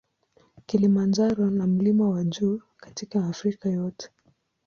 Kilimanjaro na mlima wa juu katika Afrika yote.